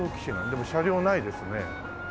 でも車両ないですね。